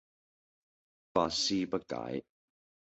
百思不解